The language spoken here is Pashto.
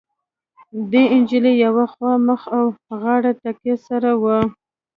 د نجلۍ يوه خوا مخ او غاړه تکه سره وه.